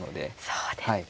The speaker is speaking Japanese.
そうですか。